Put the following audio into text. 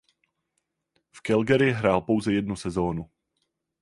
V Calgary hrál pouze jednu sezónu.